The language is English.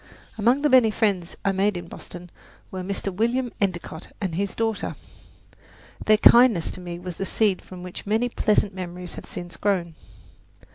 Among the many friends I made in Boston were Mr. William Endicott and his daughter. Their kindness to me was the seed from which many pleasant memories have since grown.